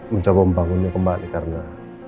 mencoba membangunnya kembali karena